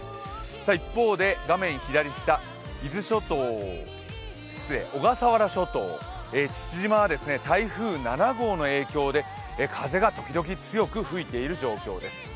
一方で画面左下、小笠原諸島・父島は台風７号の影響で風が時々強く吹いている状況です。